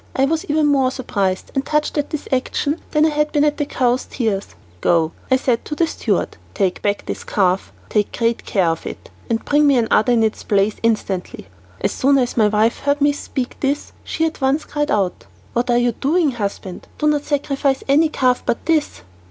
I was even more surprised and touched at this action than I had been at the tears of the cow. "Go," I said to the steward, "take back this calf, take great care of it, and bring me another in its place instantly." As soon as my wife heard me speak this she at once cried out, "What are you doing, husband? Do not sacrifice any calf but this."